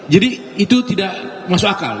jadi itu tidak masuk akal